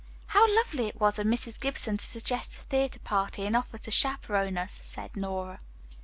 "How lovely it was of Mrs. Gibson to suggest a theatre party and offer to chaperon us," said Nora.